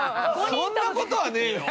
そんな事はねえよ！